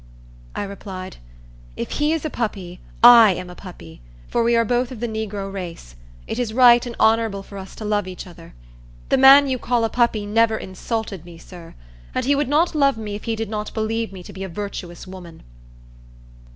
I replied, "If he is a puppy, I am a puppy, for we are both of the negro race. It is right and honorable for us to love each other. The man you call a puppy never insulted me, sir; and he would not love me if he did not believe me to be a virtuous woman."